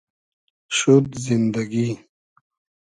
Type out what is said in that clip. شود زیندئگی